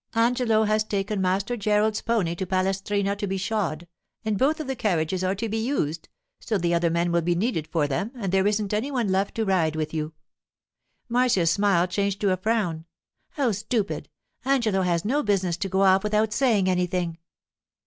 'Angelo has taken Master Gerald's pony to Palestrina to be shod and both of the carriages are to be used, so the other men will be needed for them, and there isn't any one left to ride with you.' Marcia's smile changed to a frown. 'How stupid! Angelo has no business to go off without saying anything.